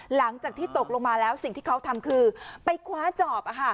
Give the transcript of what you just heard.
หลังจากที่ตกลงมาแล้วสิ่งที่เขาทำคือไปคว้าจอบ